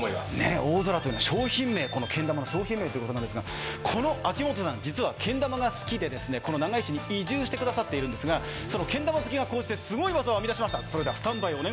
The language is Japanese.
大空というのはこのけん玉の商品名ということなんですが、この秋元さん、実はけん玉さんが好きでこの長井市に移住してくださってるんですが、そのけん玉好きがすごい技を編み出しました。